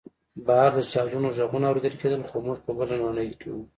بهر د چاودنو غږونه اورېدل کېدل خو موږ په بله نړۍ کې وو